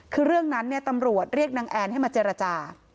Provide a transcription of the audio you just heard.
คือเรื่องนั้นตำรวจเรียกนางแอนให้มาเจรจา